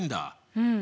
うん。